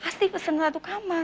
pasti pesen satu kamar